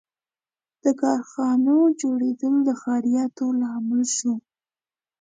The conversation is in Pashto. • د کارخانو جوړېدل د ښاریاتو لامل شو.